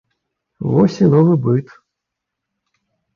Вось і новы быт!